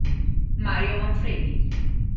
Mario Manfredi